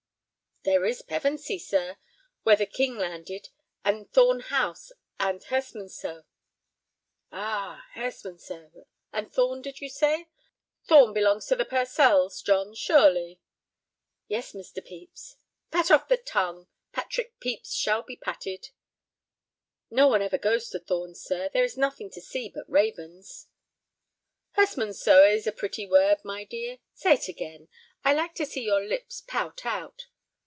"There is Pevensey, sir, where the King landed, and Thorn House, and Hurstmonceux." "Ah, Hurstmonceux, and Thorn, did you say? Thorn belongs to the Purcells, John, surely?" "Yes, Mr. Pepys—" "Pat off the tongue—Patrick Pepys shall be patted!" "No one ever goes to Thorn, sir; there is nothing to see but ravens." "Hurstmonceux is a pretty word, my dear. Say it again; I like to see your lips pout out.